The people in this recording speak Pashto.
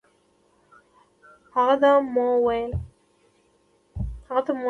هغه ته مو وويل